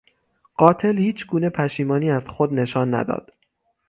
قاتل هیچگونه پشیمانی از خود نشان نداد.